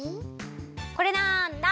これなんだ？